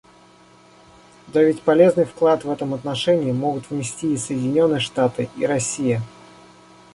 Да ведь полезный вклад в этом отношении могут внести и Соединенные Штаты и Россия.